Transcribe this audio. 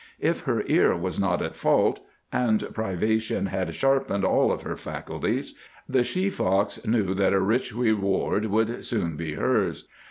If her ear was not at fault—and privation had sharpened all of her faculties—the she fox knew that a rich reward would soon be hers.